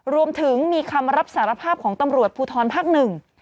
รวมถึงมีคำรับสารภาพของตำรวจภูทรภาคหนึ่ง